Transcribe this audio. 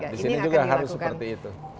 di sini juga harus seperti itu